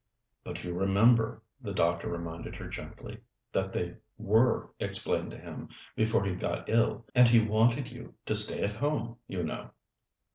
"But you remember," the doctor reminded her gently, "that they were explained to him before he got ill. And he wanted you to stay at home, you know."